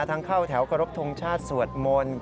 ทั้งเข้าแถวขอรบทรงชาติสวดมนต์